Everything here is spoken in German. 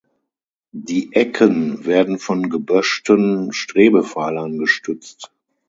Die Ecken werden von geböschten Strebepfeilern gestützt.